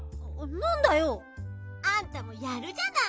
なんだよ？あんたもやるじゃない！